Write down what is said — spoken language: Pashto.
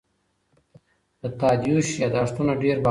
د تادیوش یادښتونه ډېر باوري دي.